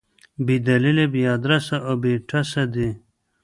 بې دلیله، بې ادرسه او بې ټسه دي.